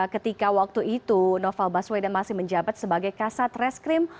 ketika waktu itu novel baswedan masih menjabat sebagai kasat reskrim